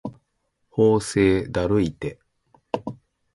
法政だるいて